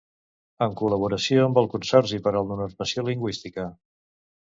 en col·laboració amb el Consorci per a la Normalització Lingüística